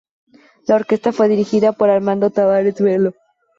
La orquesta fue dirigida por Armando Tavares Belo.